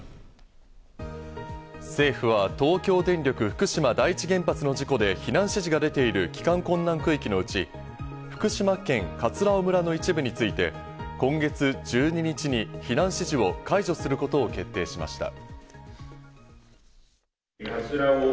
政府は東京電力福島第一原発の事故で避難指示が出ている帰還困難区域のうち、福島県葛尾村の一部について、今月１２日に避難指示を解除することを決定しました。